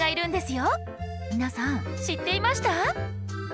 皆さん知っていました？